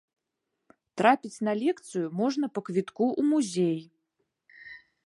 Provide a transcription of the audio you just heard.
Трапіць на лекцыю можна па квітку ў музей.